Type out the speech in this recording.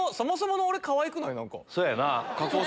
そやな。